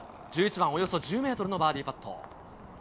１１番、およそ１０メートルのバーディーパット。